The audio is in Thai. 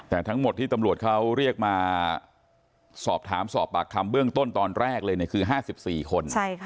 แต่ทั้งหมดที่ตำรวจเขาเรียกมาสอบถามสอบปากคำเบื้องต้นตอนแรกเลยคือ๕๔คน